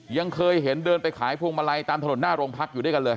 ยังเคยเห็นเดินไปขายพวงมาลัยตามถนนหน้าโรงพักอยู่ด้วยกันเลย